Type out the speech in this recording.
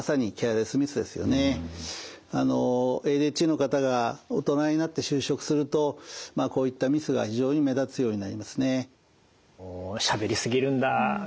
ＡＤＨＤの方が大人になって就職するとまあこういったミスが非常に目立つようになりますね。